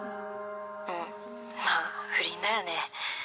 まあ不倫だよね。